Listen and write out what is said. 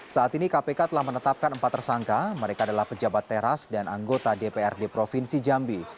saat ini kpk telah menetapkan empat tersangka mereka adalah pejabat teras dan anggota dprd provinsi jambi